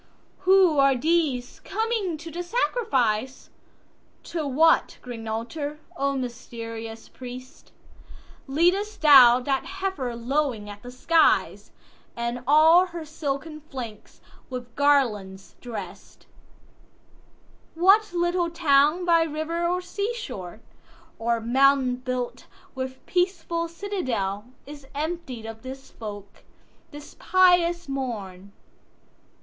4.Who are these coming to the sacrifice? To what green altar, O mysterious priest, Lead'st thou that heifer lowing at the skies, And all her silken flanks with garlands drest? What little town by river or sea shore, Or mountain built with peaceful citadel, Is emptied of this folk, this pious morn?